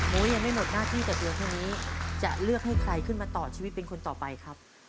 ยังไม่หมดหน้าที่แต่เพียงเท่านี้จะเลือกให้ใครขึ้นมาต่อชีวิตเป็นคนต่อไปครับ